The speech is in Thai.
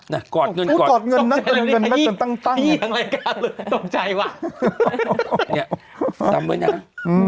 น่ะกอดเงินกอดเงินตั้งตั้งตกใจว่ะเนี้ยทำด้วยน่ะอืม